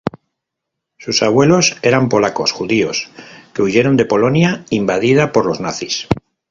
Sus abuelos eran polacos judíos, que huyeron de Polonia invadida por los nazis.